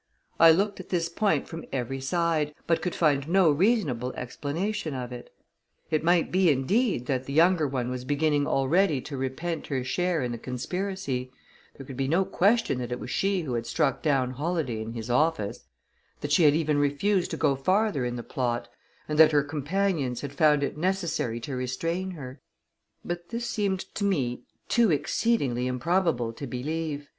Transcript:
I looked at this point from every side, but could find no reasonable explanation of it. It might be, indeed, that the younger one was beginning already to repent her share in the conspiracy there could be no question that it was she who had struck down Holladay in his office that she had even refused to go farther in the plot, and that her companions had found it necessary to restrain her; but this seemed to me too exceedingly improbable to believe.